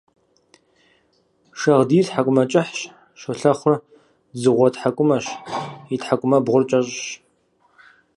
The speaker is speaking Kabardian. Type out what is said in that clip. Шагъдийр тхьэкӀумэ кӀыхьщ, щолэхъур дзыгъуэ тхьэкӀумэщ – и тхьэкӀумэбгъур кӀэщӀщ.